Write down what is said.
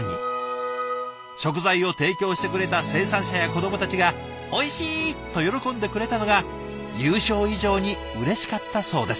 食材を提供してくれた生産者や子どもたちが「おいしい！」と喜んでくれたのが優勝以上にうれしかったそうです。